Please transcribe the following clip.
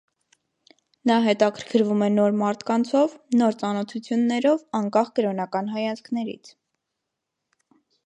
Նա հետաքրքրվում է նոր մարդկանցով, նոր ծանոթություններով, անկախ կրոնական հայացքներից։